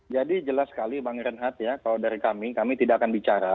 jadi jelas sekali bang renhat ya kalau dari kami kami tidak akan bicara